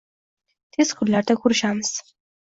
Tez kunlarda ko'rishamiz.